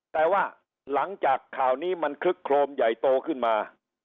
แต่ว่าหลังจากข่าวนี้มันคลึกโครมใหญ่โตขึ้นมา